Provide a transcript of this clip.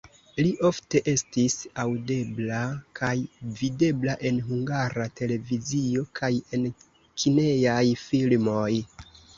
Li ofte estis aŭdebla kaj videbla en Hungara Televizio kaj en kinejaj filmoj.